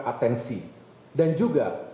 atensi dan juga